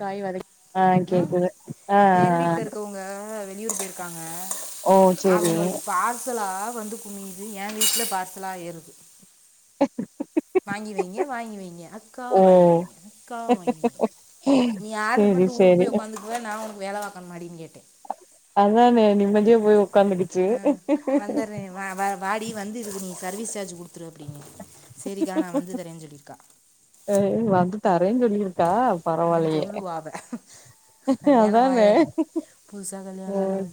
காய்வத அ ம் கேக்குது அ அ அ [unintelligible] இருக்காங் அ அவங்களுக்கு பார்சலா வந்து குமியுது எ வீட்ல பார்சலா ஏறுது வாங்கி வைங்க வாங்கி வைங்க அக்கா ஓ வாங்கி வைங்க அக்கா வாங்கி வைங்க நீ ஆட்ரு சேரி பண்ட்டு ஊருக்கு சேரி போய் உக்காந்துக்குவ. நா உனக்கு வேல பாக் [unintelligible] அதானே நிம்மதியா போய் உக்காந்துக்குச்சு அ வந்தறே வா வா வாடி வந்து இரு நீ சர்வீஸ் சார்ஜ் குடுத்துரு அப்டீன்வே செரிக்கா நா வந்து தரே ஜொல்லிர்க்கா ஆ வந்து உம் தரேன்னு சொல்லியிருக்கா உம் பரவாயில்லையே சொல்லுவா அவ செரியான அதானே வாயாடி புதுசா கல்யாண ஓ ஆனவ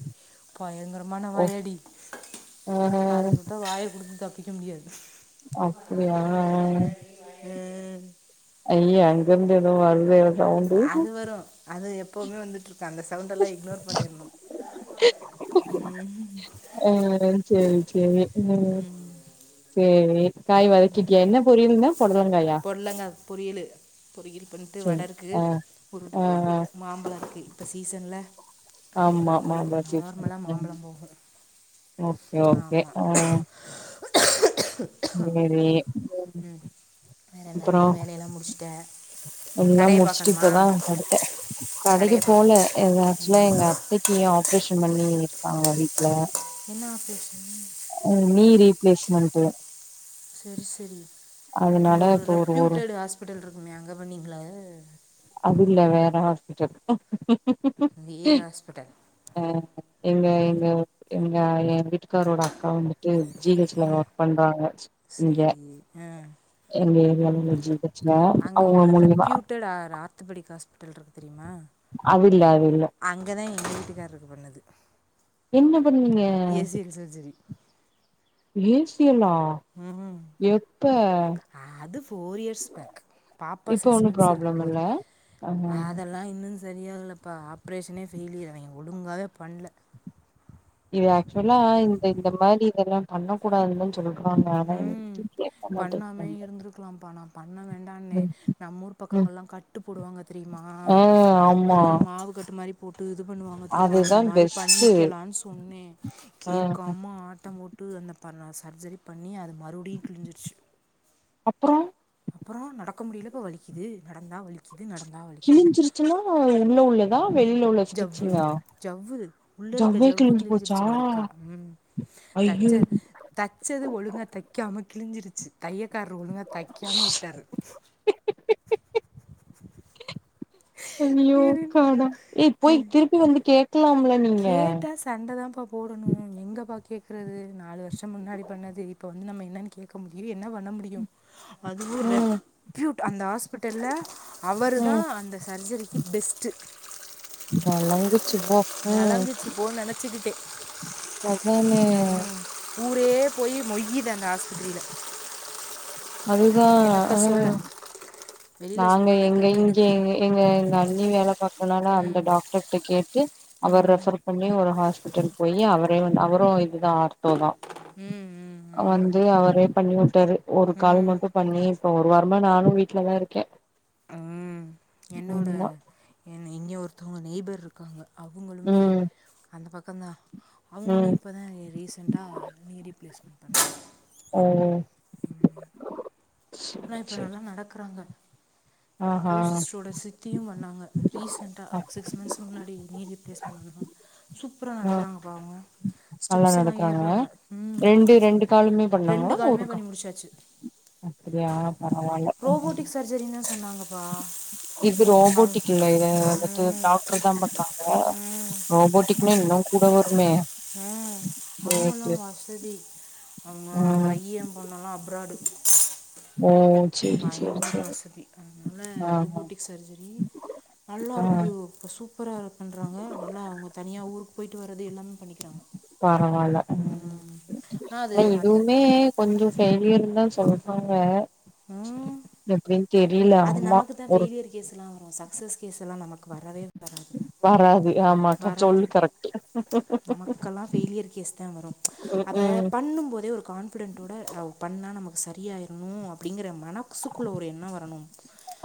பயங்கற ஓ வாயாடி ஆ அதுக்கிட்ட வாய தப்பிக்க முடியாது அப்டியா அஹ் உம் ஏ அங்கருந்து என்னமோ வருது அது வரு அது எப்போமே வந்துட்ருக் ஆஹ் சேரி சேரி உம் சேரி காய் வதக்கிட்டியா உம் என்ன பொரியல்னா பொடலங்காயா பொட்லங்க பொரியலு பொரியல் பண்ட்டு வட சேரி இருக்கு ஆ உருண்ட ஆ கொழம்பு மாம்பழ அதுக்கு இப்ப சீசன்ல ஆமா மாம்பழ சீசன் உம் மாம்பழம் போகும் ஓகே ஓகே அஹ் ஆமா உம் வேற என்ன அப்புறோ நீ வேலயெல்லா முடிச்ட்ட எல்லா முடிச்ட்டு இப்பதா படுத்தே கடைக்கு கடையை போல பார்க்கணும் எங் ஆக்சுவலா எங்க அத்தைக்கு ஆப்ரேஷன் பண்ணிர் க்காங்க வீட்ல என்னா ஆப்ரேஷ அஹ் நீரு ப்ளேஸ்மண்ட்டு செரி செரி அங்க ஒரு இப்போ ஒரு ரெப்யூடட் ஹாஸ்பிட்டல் இருக்குமே அங்க பண்ணீங்ளா அதுல்ல வேற ஹாஸ்பிட்டல் வேற ஹாஸ்பிட்டல் அ எங்க எங்க எங்க எ வீட்டுக்காரோட அக்கா வந்துட்டு ஜி ஹச் ல ஒர்க் பண்றாங்க இங்க சரி ஆ எங்க ஏரியால ம் உள்ள ஜி ஹச் னா அவ்ங்க அவ்ங்க மூலியமா த்தபடி ஹாஸ்பிட்டல் இருக்கு தெரி ய்ம்மா அது இல்ல அது இல்ல அங்கதா எங்க வீட்டுகாரருக்கு பண்ணது என்ன பண்ணீய ஏசிஎல் [inaudible] ஏசியெல்லா உம் எப்ப ஃபோர் இயர்ஸ் பேக் பாப்பா இப்ப சிக்ஸ் ஒன்னு மந்த்ஸ் ப்ராப்ளம் இருக்கும்போது இல்ல ஆ அதெல்லா இன்னும் செரியாகலப்பா ஆப்ரேஷனே ஃபெயிலியர் அவெ ஒழுங்காவே பண்ல இது ஆக்சுவலா இந்த இந்த மாரி இதெல்லா பண்ண கூடாதுங்கன் சொல்லனு உம் பண்ணாமே இருந்துருக்லாம்ப்பா நா பண்ண வேண்டான்னே ம் நம் ஊர் ம் பக்கங்கள்லா கட்டு போடுவாங்க தெரியுமா ஆ ஆமா உம் மாவுக்கட்டு மாரி து இது பண்ணுவாங்க தெரியுமா அதுதா அந்த மாரி பெஸ்ட்டு பண்ணிக்கலான் சொன்னே ஆ கேட்காம ஆட்டம் போட் [unintelligible] எண்ணா பண்ணா சர்ஜரி பண்ணி அது மறுபடியு கிழிஞ்சிருச்சு அப்ரோ அப்புறோ நடக்க முடியல இப்ப வலிக்குது நடந்தா வலிக்கு கிழிஞ்சிருச்சுன்னா உள்ள உள்ளது ஜவ்வு ஜவ்வு உள்ள இருக்க ஜவ்வே ஜவ்வு கிழிஞ்சு போச்சா கிழிஞ்சிருச்சு மறுக்கா உம் ஐயோ தச்ச தைச்சது ஒழுங்க தைக்காம கிழிஞ்சிருச்சு தையக் க்கார் ஒழுங்கா தைக்காம விட்டாரு அய்யோ வேறு கடவ் ஏ போய் திருப்பி வந்து கேக் கேட்டா சண்டை தாம்ப்பா போடணு எங்கப்பா கே கேக்கிறது நாலு வருஷோ முன்னாடி பண்ணது இப்ப வந்து நம்ம என்னன்னு கேட்க முடியு ஏ என்ன பண்ண முடியு அதுவு ம் ரெப்யூட் அந்த ஹாஸ்பிட்டல அவரு தா ம் அந்த சர்ஜெரிக்கு பெஸ்ட்டு சுப்போ உம் நலங்குச்சு போன்னு நெனச்சுக்கிட்டே அத்தானே ஊரே போயி மொய்து அந்த ஆஸ்பித்திரியில அது தா ஆ வெளியில நாங்க சொன்னா எங்க வெக்கக்கேடு இங்க எங்க எங்க எங்க அண்ணி வேல அப்பல்லா நா அந்த ம் டாக்டர்ட்ட கேட்டு அவர் ம் ரெஃபர் பண்ணி ஒரு ஹாஸ் ரிடன் போயி அவரே வந்து அவரு இது ஆர்த்தோதா ம் ம் ம் வந்து அவரே பண்ணி விட்டாரு ஒரு கால் ம் மட்டு பண்ணி இப்ப ஒருவாரமா நானு வீட்டுலதா இரு கே உம் என்னோட என் இங்க ஒரு ஒருத்தவங்க நெய்பர் இருக்காங்க அவங்களுமே ம் அந்த பக்க கந்தா அவங்களு ம் இப்பதோ ரீசெண்ட்டா நீ ரீப்ளேஸ்மெண்ட் பண்ணாங்க ஓ ஆனா இப்ப செரி நல்லா நடக்கறாங்க ஏ ஆஹா கோசிஸ்ட்ரோட சித்தியு பண்ணாங்க ரீசன்ட்டா ஆ சிக்ஸ் மந்த்ஸ் முன்னாடி நீடி [unintelligible] சூப்பரா நடக்கிறாங்கப்பா அவுங்க நல்லா ஸ்டெப்ஸ் எல்லா நடக்கறாங்க ஏறாங்க ம் ரெண்டு ரெண்டு காலுமே ரெண்டு பண்ணாங்களா காலுமே ஒரு கா பண்ணி முடிச்சாச்சு அப்டியா பரவால்ல உம் உம் என்ன சொன்னாங்கப்பா இது அவங்க ரோபோட்டிக் இல்ல இத வந்துட்டு ம் டாக்டர் தா பண்ணாங்க ரோபோட்டிக்ன்னா இன்னும் கூட வரு உஹ் அவங்கல்லா வசதி அவுங்க ஆ. பையன் பொண்ணலா அப்ராடு ஓ! சரி, சரி, பயங்கர சரி. வசதி அதுனால ஆஹா. ரோபோட்டிக் சர்ஜரி ஆ நல்லாருக்கு இப்ப சூப்பரா இருக்குன்றாங்க நல்லா அவுங்க தனியா ஊருக்கு போயிட்டு வர்றது எல்லாமே பண்ணிக்கிறாங்க பரவால்ல உம் ஆனால் அது ஆனா அந்த இதுவுமே கொஞ்சோ ஃபெய்லியர் னா சொல்றாங்க எப்டின் தெரியல ஆமா ஒரு சஸ் கேஸ்ல்லா நமக்கு வரவே வராது வராது. ஆமா க வராது சொல்லு கரெக்ட். நமக்கெல்லா ஃபெய்லியர் கேஸ் தா வரு ச்சு அத ம். பண்ணும்போதே ஒரு கான்பிடென்டோட பண்ணா நமக் செரியாயிரணு அப்டிங்கிற மனக் சுக்குள்ள ஒரே ஆனா வரனும்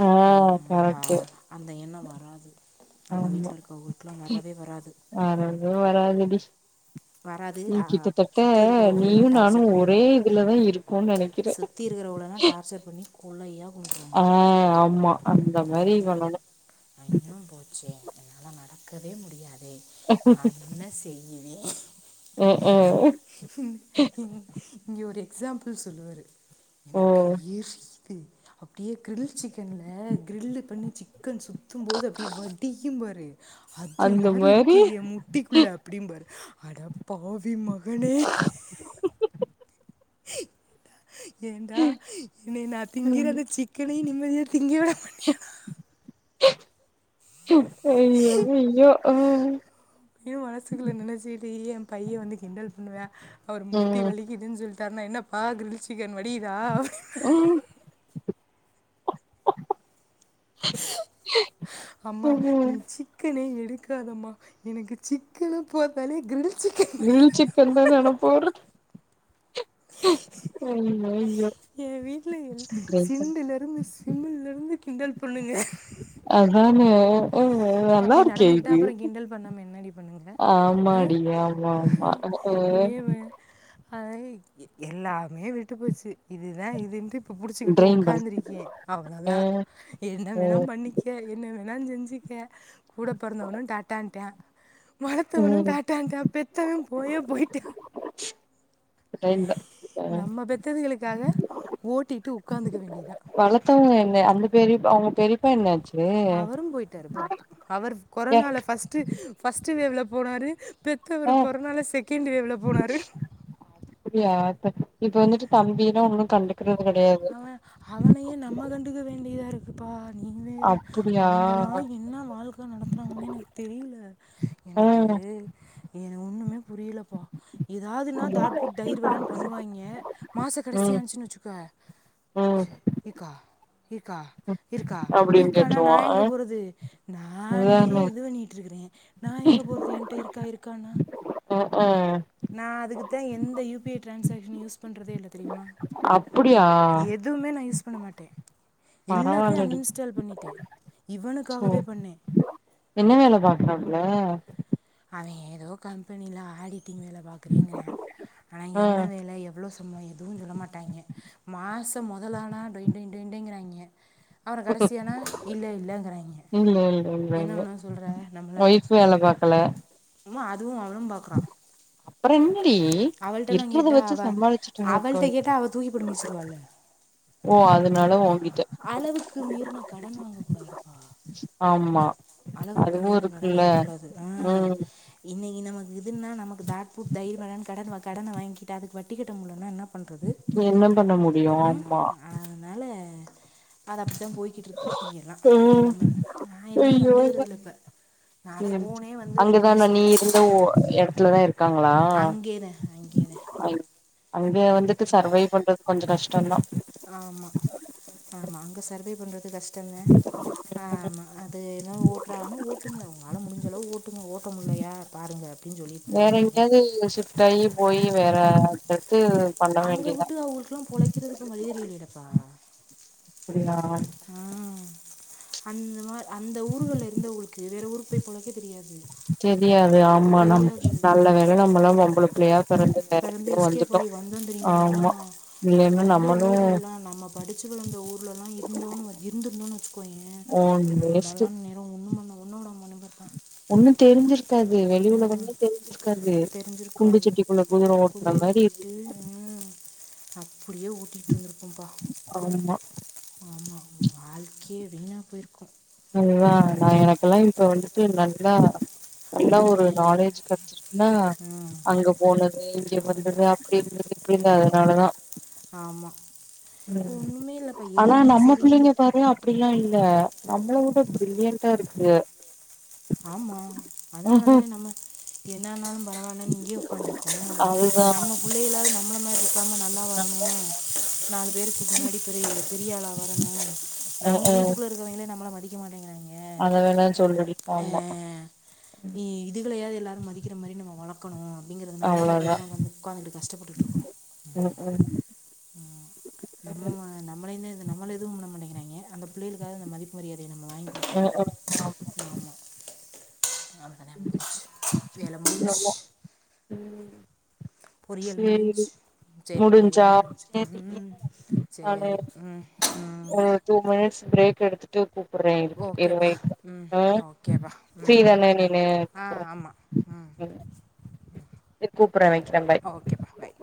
ஆ அ கரெக்ட். அந்த எண்ணம் வராது நம்ம ஆமா. வீட்ல இருக்கிறவுகளுக்லா வரவே வராது வரவே வராதுடி. வராது நீ கிட்டத்தட்ட சுற்றி இருக்கிறவங்களெல்லாம் நீயும் நானு டார்ச்சர் பண்ணி ஒரே இதுலதா இருக்கோ நெனைக்கிற கொள்ளையாப் ஆஹ் ஆமா அந்த மாரி ஐயூம் பண்ணணும். ஐயும் போச்சே என்னால நட க்கவே முடியா ஏ நா என்ன செய் ம்ஹ்ம். உம் உம் இங் இங்கயோரு ஸ்சாம்பிள் சொல்லுவாரு ஓ! எனக்கு எரி து அப்டியே கிரில் சிக்கன்ல கிரில்லு பண்ணி சிக்கன் சுத்தும்போது அப்டியே வடியும் பாரு அது மாரி இருக்கு என் முட்டிக்குள்ள அப்டிம்பாரு அட பாவி மகனே ஏன்டா என்னேய நா ம். திங்கிறது சிக்கனயு நிம்மதியா திங்க விட மாட்டியாடா அய்யோ அய்யோ அ இதயு மனசுக்குல்ல நெனேச்சீட்டு எம் பைய வந்து கிண்டல் பண்ணுவே அவர் முட்டி ம் வலிக்குதுன் சொல் ட்டார்னா என்னப்பா கிரில்டு சிக்கன் வடியுதா ம் அம்மா நீ ம் சிக்கனே எடுக்காதம்மா எனக்கு சிக்கன பாத்தாலே கிரில் சிக்கன் வில் சிக்கன் தான ஆனா போடுறது ஆ ஏ வீட்டுல என் சிண்டுலிருந்து சிமிலருந்து கிண்டல் பண்ணுங்க அதான அ நல்லா அப்படி இருக்கே நடந்துக்கிட்டா இது அப்புறம் கிண்டல் பண்ணாமல் என்னடி பண்ணுங்க ஆ ஆமாடி ஆமா ஆமா ஆமா ஆ அதை எல்லாமே விட்டு போச்சு இதுதா இதுன்ட்டு இப்ப புடிச்சுக்கிட்டு ட்ரைன் பண்ணு உகாந்துருக்கே ஆ அவ்ளோதா என்ன ம் வேணும் பண்ணிக்கே என்ன வேணா செஞ் க கூட பொறந்தவனு டாட்டான்ட்ட வளத்தவணு ம் டாட்டான்ட்ட பெத்தவன் போயே போயிட்ட டைம்தா நம்ம பெத்ததுளுக்காக ஓட்டிட்டு உட்காந்துக்க வேண்டியதா வளத்தவங்க என்ன அந்த பேரியு அவரு போயிட்டாரு போ அவர் ஏ கொரோனால ஃபர்ஸ்ட் ஃபர்ஸ்ட் வேவுல போனாரு பெத்தவரு ஆ கொரோனால செகண்ட் வேவ்ல போனாரு அப்டியா இப்ப இப்ப வந்துட்டு தம்பினா உன்னுட அவ அவனையே நம்ம கண்டுக்க வேண்டியதா இருக் குப்பா நீ வேற அப்டியா அவங்கல்லா என்ன வாழ்க்க நடத்துறாங்கனே எனக்கு தெரில ஆ எனக்கு இது ஒண்ணுமே புரியலப்பா எதாவதுன்னா தாட்புட் தயிர்வடேன் பண்ணுவாங்க மாச ம் கடைசியாச்சுன் வெ ய்ங்க ம் இர் இர்க்கா இருக்கா இருக்கா அப்டின்னு இருக்கானா நா கேட்ருவா ஆ எங்க போறது நானே அதானே இது பண்ணிட்டு இருக்கறே நா எங்க போறது என்ட்ட இருக்கா இருக் கானா அ ஆ நா அதுக்குத்தே எந்த U P I transaction use பண்றதே இல்ல தெரியுமா அப்புடியா எதுவுமே நான் யூஸ் பண்ண மாட்டேன் எல்லாத்தயு அன் இன்ஸ்டால் பண்ணிட்டேன் ஓ இவனுக்காகவே பண்ணேன் என்ன வேல பாக்றாப்ல அவன் ஏதோ கம்பெனில ஆடி ட்டிங் வேல பாக்கறேன்கிறான் ஆனா ஆ என்ன வேல எவ்ளோ சம்பளம் எதுவும் சொல்ல மாட்டாங்க மாசம் மொதலனா டொய் டொய் டொய் டொய்கிறாங்க அப்புறம் கடைசியானா இல்ல இல்லங்கிறாங்க இல்ல இல்ல இல்ல என்ன இல்ல பண்ண சொல்ற நம்மள ஒய்ஃப் வேல பாக்கல ம் அதுவு அவுளும் பாக்கறா பரயும் ஏன்டி இருக்கறத வச்சு அவள் சம்பாளிச்சுக்கா இருக்க அவள்கிட்ட வேண்டி கேட்டால் அவள் தூக்கி போட்டு மிதிச்சிருவாள்ல ஓ அதனால ஓங்கிட்ட அளவுக்கு மீறின கடன் வாங்க கூடாதுபா ஆமா அளவுக்கு அதுவு மீறின கடன் இருக்குல்ல வாங்க கூடாது ஆ ம் இன்னைக்கு நமக்கு இதுன்னா நமக்கு தாட் பூட் தைரியம் கடன் கடன வாங்கிட்டு அதுக்கு வட்டி கட்ட முடியலனா என்ன பண்றது என்ன பண்ண முடியு ம் ஆமா அதனால அது அப்டித்தான் போயி ட்டு இருக்கு இங்க எல்லாம் ம் நெலம நான் எதையு [unintelligible] வந்து ரெண்டு அங்கதானா நீ மாதம் இருந்த ஊ எடத்துலதான் இரு இருக்காங்களா அங்கே தான் அங்கே தான் இங்க வந்துட்டு சர்வை பண்றது கொஞ்சம் க கஷ்டம்தான் ஆமா அங்கே சர்வே பண்றது கஷ் டம் தான் ஆமா அது என்ன ஓட்டுறன ஓட்டுங்க உங்களால முடிஞ்ச ஹலோ [unintelligible] ஓட்ட முட்லயா பாருங்க அப்படின்னு சொல்லிட்டு போ வேற வேண்டி தான் எங்கேயாவது ஷிஃப்ட் ஆகி போய் வேற அட்ரஸ் அங்க வுட்டு அவங்ளுக்கெல்லா பொழைக்றதுக்கு [unintelligible] அப்படியா உம் அந்த மா அந்த ஊர்கள்ல இருந்தவங்ளுக்கு வேற ஊருக்கு போய் பொலைக்க தெரியாது ஆமா நம் தெரியாது நல்ல வேல நம்மெல்லா நம்புளுக்கு ப்ளே ருந்து எஸ்கேப்பாய் வந்தோ தெரியுமா ஆமா நம்ம இல்லைன்னா இருந்த நம்மளு ஊர்லல்லா நம்ம படிச்சு வளந்த ஊர்லல்லா இருந்தோனு இருந்திருந்தோனு வச்சுக்கோயே ஒன் வேஸ்ட் நம்மளல்லா இன்னெரோ ஒண்ணும் பண் ண உடமா ஒண்ணு தெரிஞ்சிருக் உம் குண்டு தெரிஞ்சிருக்காது சட்டிக்குள்ள குதிர ஓட்டுன குதிரையை மாரி இருந்து ஓட்டிக்கிட்டு உம் அப்டியே ஓட்டிக்கிட்டு இருந்திருப்போம்பா ஆமா ஆமா வாழ்க்கியே வீணா போய்ருப் [unintelligible] நா எனக்கெல்லா இப் தோன் [unintelligible] நல்லா நல்லா ஆனால் ஒரு நீ நாலேஜ் கெடச்சிருக்னா ம் அங்க போனது இங்க ம் வந்தது அப்டி இரு இப்டி இருந்தா அதனாலதா ஆமா இப்போ ம் ஒண்ணுமே இல்லப்ப எதுவுமே சரியில் ல நம்மள விட ப்ர்லியன்டா இருக்குங்க ஆமா அதனாலதானே நம்ம என்ன ஆனாலு பரவ இல்லன்னு இங்கியே உக்காந்துருக்கோ அதுதா நம்ம புள்ளைகளாவது நம்மள மாரி இருக்காம நல்லா வரணு நாலு பேருக்கு முன்னாடி பெரிய பெரியாள வரணு அதனாலதா ம் நம்ம ம் வீட்டுக்குள்ள இருக்கெவங்லே நம்மள மதி மதிக்க மாட்டேங்ய்ராங்கா அத வேண சொல்லுடி அ ஆமா இதுகளையாவது எல்லாரு மதிக்ற மாதிரி நம்ம வளக்கனு அப்டிங்றதுனால தானே இவ்ளோ அவ்ளோதா தூரோ வந்து உக்காந்துங்கிட்டு கஷ்டப்பட்டுட்டு இருக்றோ ம் ம் ம் நம்ம நம்மளேந்து நம்மள எதுவு பண்ண மாட்டேங்குறாங்க [unintelligible] அந்த புள்ளைகளுக்காவது அந்த மதிப்பு மரியாதய நாம அ அ ஆமா அவ்ளோ தா முடிஞ்சு வேல முடிஞ்சு உம் பொறியல் முடிஞ்சு சேரி பொறியல் முடிஞ்சா முடிஞ்சு சேரி இரு உம் நானு சேரி உம் ஒரு டூ மினிட்ஸ் பிரேக் எடுத்துட்டு கூப்புட்றே இரு இரு ஓகேப்பா வெயிட் பண்ணு ம் ஆ ஓகேப்பா ஃப்ரீ ம் தான ம் நீனு அ கூப்புட்றே ஆமா ம் ம் கூப்புட்றே வெக்கிறே ஓகேப்பா பாய்